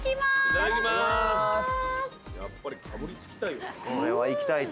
やっぱりかぶりつきたい。